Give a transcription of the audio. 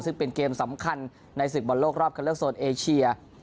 ซึ่งเป็นเกมสำคัญในศึกบอลโลกรอบคันเลือกโซนเอเชีย